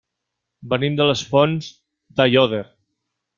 Venim de les Fonts d'Aiòder.